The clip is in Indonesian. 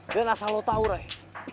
dan asal lo tau rai